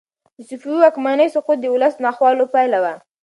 د صفوي واکمنۍ سقوط د ولس د ناخوالو پایله وه.